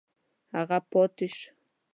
هغه پاته شو.